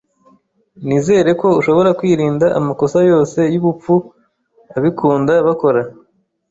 Nizere ko ushobora kwirinda amakosa yose yubupfu abikunda bakora.